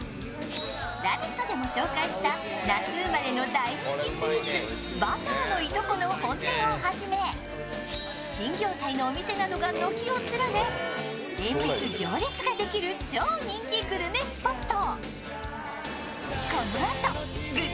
「ラヴィット！」でも紹介した那須生まれの大人気スイーツバターのいとこの本店をはじめ新業態のお店などが軒を連ね連日、行列ができる超人気グルメスポット。